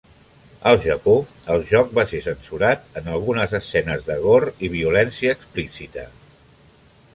Al Japó el joc va ser censurat en algunes escenes de gore i violència explicita.